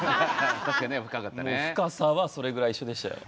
深さはそれぐらい一緒でしたよ。